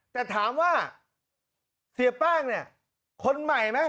แต่ถามว่าเสียแป้งเนี่ยคนใหม่ไหม